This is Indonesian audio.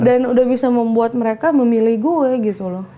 dan udah bisa membuat mereka memilih gue gitu loh